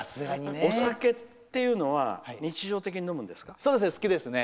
お酒というのは日常的に飲むんですか。